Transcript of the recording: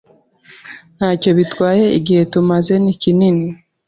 Ntacyo bitwaye igihe tumaze ni kinini